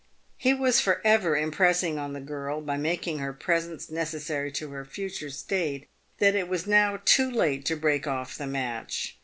He was for ever impressing on the girl, by making her presents necessary to her future state, that it was now too late to break off the match.